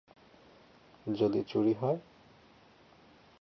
যদি চুরি হয়?’